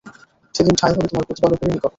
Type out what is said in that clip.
সেদিন ঠাঁই হবে তোমার প্রতিপালকেরই নিকট।